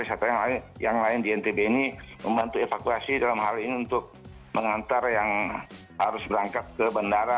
satu yang lain di ntb ini membantu evakuasi dalam hal ini untuk mengantar yang harus berangkat ke bandara